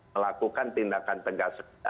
melakukan tindakan tegas